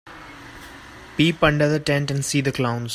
Peep under the tent and see the clowns.